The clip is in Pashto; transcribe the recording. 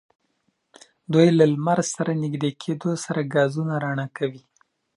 دوی له لمر سره نژدې کېدو سره ګازونه رڼا کوي.